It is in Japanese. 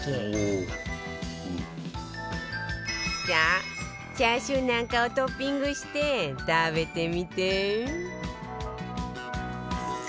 さあチャーシューなんかをトッピングして食べてみて